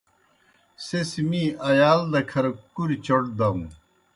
سہ سیْ می ایال دہ کھر کُریْ چوْٹ داؤن۔